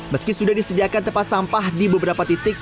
meski sudah disediakan tempat sampah di beberapa titik